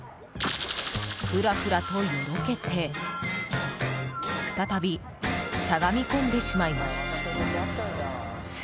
フラフラとよろけて再び、しゃがみ込んでしまいます。